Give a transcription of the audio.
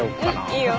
いいよ。